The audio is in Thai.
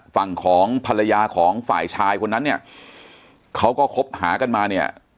ฝั่งของภรรยาของฝ่ายชายคนนั้นเนี่ยเขาก็คบหากันมาเนี่ย